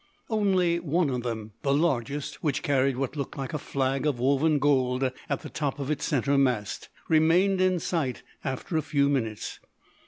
Only one of them, the largest, which carried what looked like a flag of woven gold at the top of its centre mast, remained in sight after a few minutes.